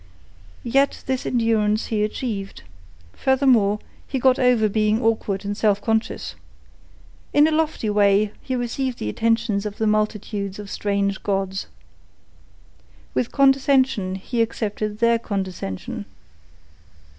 Yet this endurance he achieved. Furthermore, he got over being awkward and self conscious. In a lofty way he received the attentions of the multitudes of strange gods. With condescension he accepted their condescension.